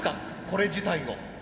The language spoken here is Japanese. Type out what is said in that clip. これ自体を。